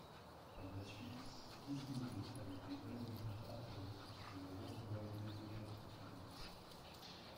Par la suite, Gizmodo a été banni par Apple de la WorldWide Developer Conference.